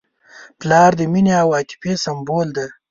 پلار د مینې او عاطفې سمبول دی.